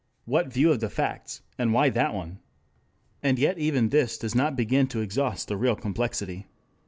What view of the facts, and why that one? And yet even this does not begin to exhaust the real complexity.